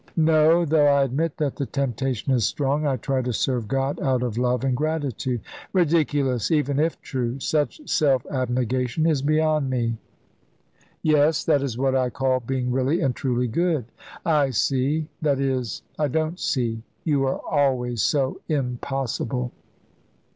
"No; though I admit that the temptation is strong. I try to serve God out of love and gratitude." "Ridiculous, even if true. Such self abnegation is beyond me." "Yes, that is what I call being really and truly good." "I see that is, I don't see. You are always so impossible."